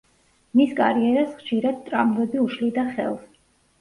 მის კარიერას ხშირად ტრავმები უშლიდა ხელს.